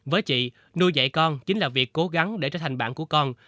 với chị nuôi dạy con chính là việc cố gắng để trở thành bạn của con